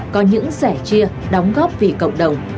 có những sẻ chia đóng góp vì cộng đồng